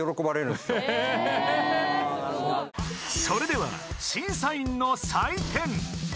［それでは審査員の］